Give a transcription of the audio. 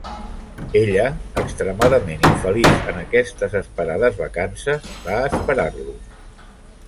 Ella, extremadament infeliç en aquestes esperades vacances, va esperar-lo.